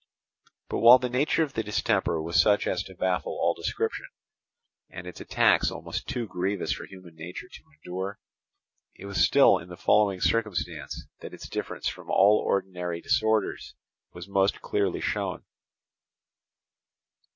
But while the nature of the distemper was such as to baffle all description, and its attacks almost too grievous for human nature to endure, it was still in the following circumstance that its difference from all ordinary disorders was most clearly shown.